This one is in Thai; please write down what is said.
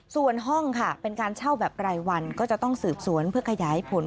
ส่วนห้องค่ะเป็นการเช่าแบบรายวันก็จะต้องสืบสวนเพื่อขยายผล